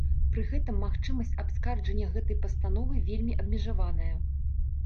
Пры гэтым магчымасць абскарджання гэтай пастановы вельмі абмежаваная.